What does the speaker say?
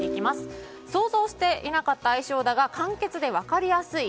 想像していなかった愛称だが簡潔で分かりやすい。